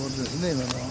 今のは。